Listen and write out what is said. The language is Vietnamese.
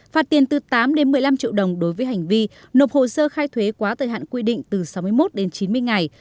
phạt tiền từ tám đến một mươi năm triệu đồng đối với hành vi nộp hồ sơ khai thuế quá thời hạn quy định từ sáu mươi một đến chín mươi ngày